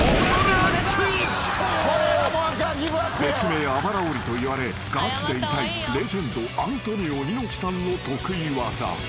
［別名あばら折りといわれがちで痛いレジェンドアントニオ猪木さんの得意技］